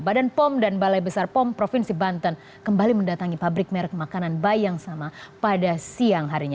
badan pom dan balai besar pom provinsi banten kembali mendatangi pabrik merek makanan bayi yang sama pada siang harinya